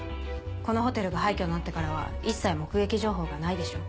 このホテルが廃虚になってからは一切目撃情報がないでしょ。